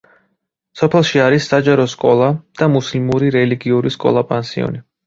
სოფელში არის საჯარო სკოლა და მუსლიმური რელიგიური სკოლა-პანსიონი.